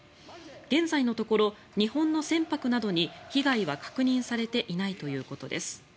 現在のところ日本の船舶などに被害は確認されていないということです。